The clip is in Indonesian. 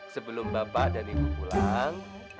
sebelum bapak dan ibu pulang